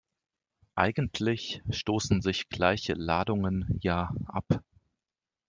Eigentlich stoßen sich gleiche Ladungen ja ab.